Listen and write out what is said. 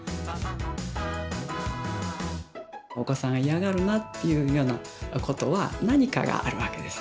お子さん嫌がるなっていうようなことは何かがあるわけです。